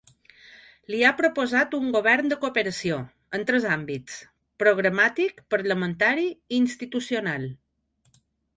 Li ha proposat un ‘govern de cooperació’ en tres àmbits, programàtic, parlamentari i institucional.